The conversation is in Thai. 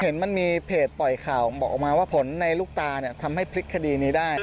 เห็นมันมีเพจปล่อยข่าวบอกออกมาว่าผลในลูกตาทำให้พลิกคดีนี้ได้